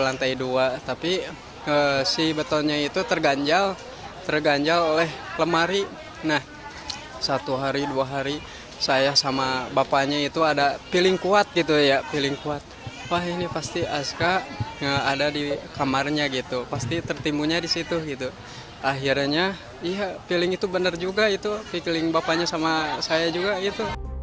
akhirnya iya feeling itu benar juga itu feeling bapaknya sama saya juga gitu